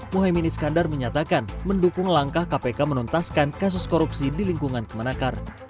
muhaymin iskandar menyatakan mendukung langkah kpk menuntaskan kasus korupsi di lingkungan kemenakar